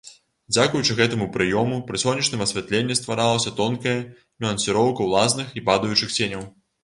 Дзякуючы гэтаму прыёму, пры сонечным асвятленні стваралася тонкая нюансіроўка ўласных і падаючых ценяў.